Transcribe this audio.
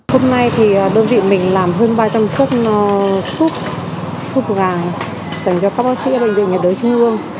hôm nay thì đơn vị mình làm hơn ba trăm linh suất súp gà dành cho các bác sĩ ở bệnh viện nhiệt đới trung ương